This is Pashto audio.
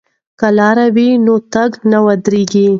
که لاره وي نو تګ نه ودریږي.